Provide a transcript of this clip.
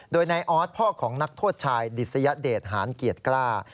โดยนายออสพ่อของนักโทษชายดิสยเดชหานเกียรติกล้า